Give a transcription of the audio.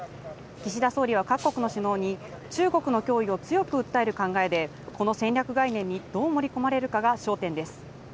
岸田総理は各国の首脳に、中国の脅威を強く訴える考えで、この戦略概念にどう盛り込まれるかが焦点です。